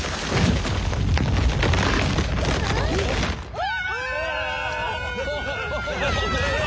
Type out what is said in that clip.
うわ！